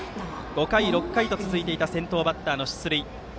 ５回、６回と続いていた先頭バッターの出塁。